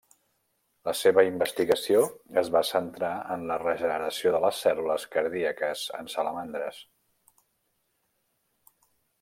La seva investigació es va centrar en la regeneració de les cèl·lules cardíaques en salamandres.